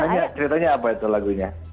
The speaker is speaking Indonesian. tanya ceritanya apa itu lagunya